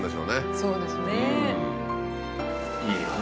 そうですね。